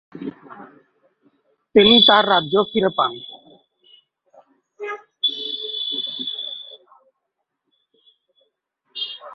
তিনি তার রাজ্য ফিরে পান।